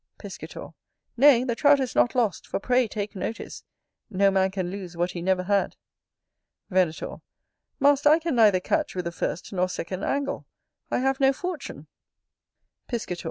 Piscator. Nay, the Trout is not lost; for pray take notice, no man can lose what he never had. Venator. Master, I can neither catch with the first nor second angle: I have no fortune. Piscator.